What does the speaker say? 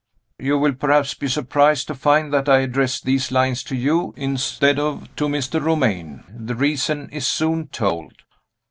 "You will perhaps be surprised to find that I address these lines to you, instead of to Mr. Romayne. The reason is soon told.